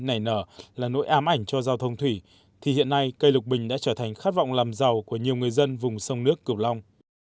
nảy nở là nỗi ám ảnh cho giao thông thủy thì hiện nay cây lục bình đã trở thành khát vọng làm giàu của nhiều người dân vùng sông nước cửu long